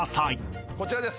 こちらです